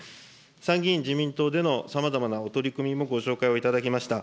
参議院自民党でのさまざまなお取り組みもご紹介をいただきました。